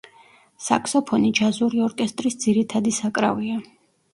საქსოფონი ჯაზური ორკესტრის ძირითადი საკრავია.